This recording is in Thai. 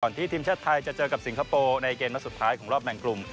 ที่ทีมชาติไทยจะเจอกับสิงคโปร์ในเกมนัดสุดท้ายของรอบแบ่งกลุ่ม